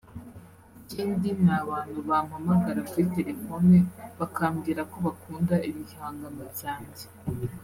Ikindi ni abantu bampamagara kuri telefone bakambwira ko bakunda ibihangano byanjye